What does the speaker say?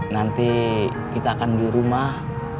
nanti kita akan di rumah